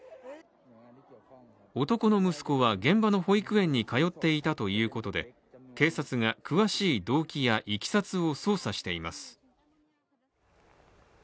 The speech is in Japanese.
男の息子は現場の保育園に通っていたということで警察が詳しい動機やいきさつを捜査しています。